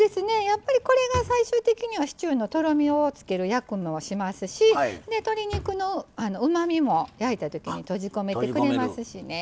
やっぱりこれが最終的にはシチューのとろみをつける役もしますし鶏肉のうまみも焼いた時に閉じ込めてくれますしね。